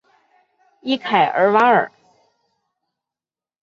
伊凯尔瓦尔。